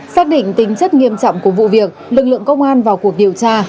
xác định tính chất nghiêm trọng của vụ việc lực lượng công an vào cuộc điều tra